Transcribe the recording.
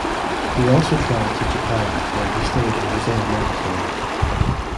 He also traveled to Japan, where he stayed in a Zen monastery.